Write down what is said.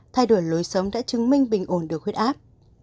thay đổi lối sống đã chứng minh bình ổn được huyết áp